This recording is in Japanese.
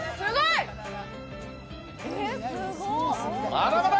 まだまだ！